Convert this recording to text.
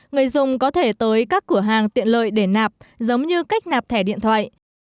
người dùng có thể tới các cửa hàng tiện lợi để nạp giống như cách nạp thẻ điện thoại